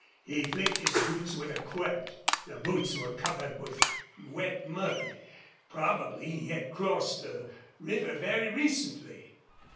He flicked his boots with a quirt. The boots were covered with wet mud. Probably he had crossed the river very recently.